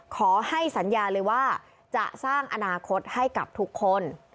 ขอให้สัญญาเลยว่าจะสร้างอนาคตให้กับทุกคน